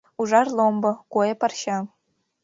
Ужар ломбо, куэ парча —